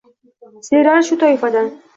Serial shu toifadan.